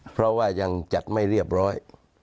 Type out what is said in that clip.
เพราะว่ายังจัดไม่เรียบร้อย